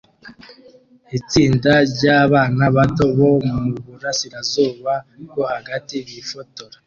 Itsinda ryabana bato bo muburasirazuba bwo hagati bifotora